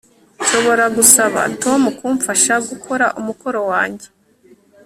Nshobora gusaba Tom kumfasha gukora umukoro wanjye